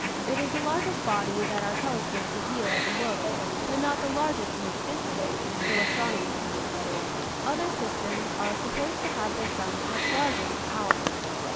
It is the largest body that our telescopes reveal as a globe, but not the largest in existence, so as tronomy teaches. Other systems are supposed to have their suns much larger than ours.